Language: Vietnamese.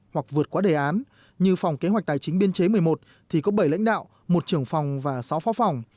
hoặc vượt qua đề án như phòng kế hoạch tài chính biên chế một mươi một thì có bảy lãnh đạo một trưởng phòng và sáu phó phòng